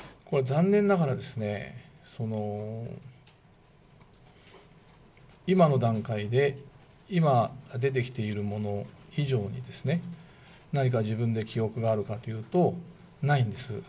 残念ながらですね、今の段階で、今出てきているもの以上にですね、何か自分で記憶があるかというと、ないんです。